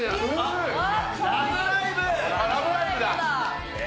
ラブライブだ！